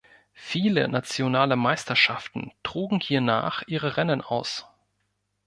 Viele nationale Meisterschaften trugen hiernach ihre Rennen aus.